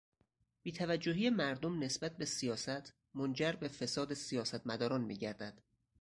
بیتوجهی مردم نسبت به سیاست منجر به فساد سیاستمداران میگردد.